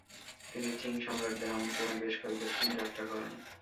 তিনি চিং সম্রাটদের আমন্ত্রণে বেশ কয়েকবার চীন যাত্রা করেন।